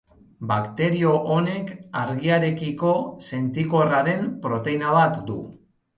Bakterio honek argiarekiko sentikorra den proteina bat du.